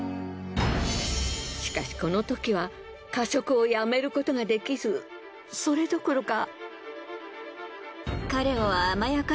しかしこの時は過食をやめることができずそれどころか。